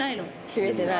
閉めてない。